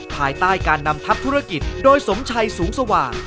ภายใต้การนำทัพธุรกิจโดยสมชัยสูงสว่าง